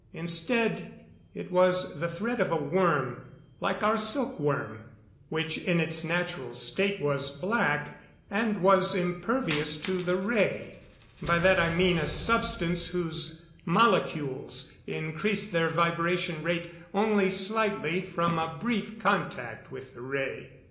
Instead, it was the thread of a worm like our silk worm which in its natural state was black and was impervious to the ray. By that I mean a substance whose molecules increased their vibration rate only slightly from a brief contact with the ray.